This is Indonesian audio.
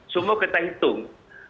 semua kita hitung